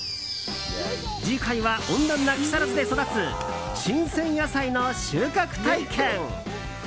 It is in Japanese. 次回は温暖な木更津で育つ新鮮野菜の収穫体験。